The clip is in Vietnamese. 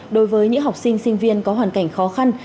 đối với những học sinh sinh viên có hoàn cảnh khó khăn